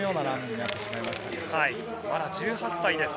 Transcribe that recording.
まだ１８歳です。